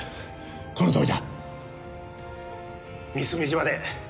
このとおり！